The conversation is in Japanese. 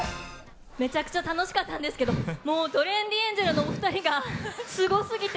めちゃくちゃ楽しかったんですけど、もう、トレンディエンジェルのお２人がすごすぎて。